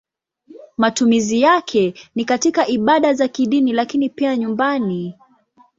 Matumizi yake ni katika ibada za kidini lakini pia nyumbani.